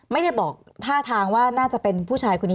ไม่ได้บอกท่าทางว่าน่าจะเป็นผู้ชายคนนี้